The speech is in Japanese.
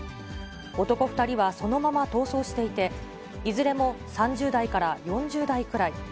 男２人はそのまま逃走していて、いずれも３０代から４０代くらい。